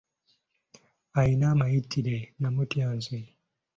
Alina amayitire namutya nze.